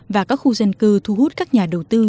và các khu dân cư thu hút các nhà đầu tư